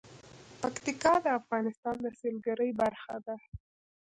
پکتیکا د افغانستان د سیلګرۍ برخه ده.